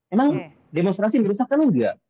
emang demonstrasi merusak kan udah